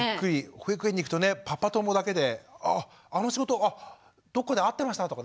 保育園に行くとねパパ友だけでああの仕事あっどっかで会ってました？とかね。